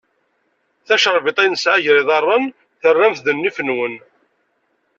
Tacerbiṭ ay nesɛa gar yiḍarren, terram-t d nnif-nwen.